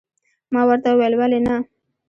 ما ورته وویل، ولې نه.